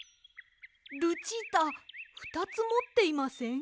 ルチータふたつもっていません？